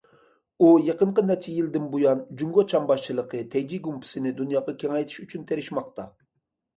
ئۇ يېقىنقى نەچچە يىلدىن بۇيان جۇڭگو چامباشچىلىقى، تەيجى گۇمپىسىنى دۇنياغا كېڭەيتىش ئۈچۈن تىرىشماقتا.